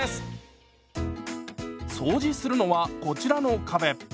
掃除するのはこちらの壁。